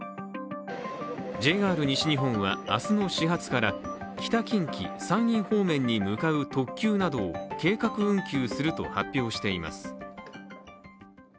ＪＲ西日本は明日の始発から北近畿・山陰方面に向かう特急などを計画運休すると発表しています。